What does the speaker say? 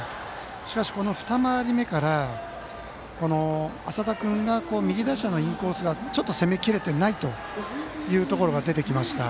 しかし、二回り目から淺田君が、右打者のインコースをちょっと攻め切れていないというところが出てきました。